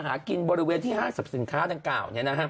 หากินบริเวณที่๕๐สินค้า